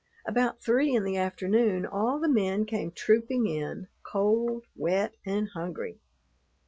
About three in the afternoon all the men came trooping in, cold, wet, and hungry.